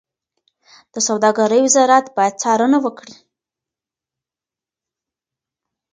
د سوداګرۍ وزارت باید څارنه وکړي.